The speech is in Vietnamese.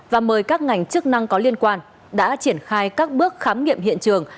và mời các ngành chức năng có liên quan đã triển khai các bước khám nghiệm hiện trường